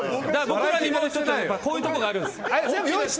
僕らにもこういうところがあるんです。